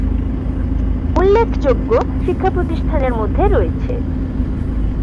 উল্লেখযোগ্য শিক্ষাপ্রতিষ্ঠানের মধ্যে রয়েছে;